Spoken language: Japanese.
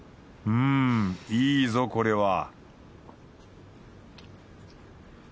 うんいいぞこれは